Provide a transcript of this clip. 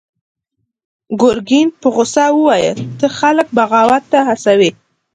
ګرګين په غوسه وويل: ته خلک بغاوت ته هڅوې!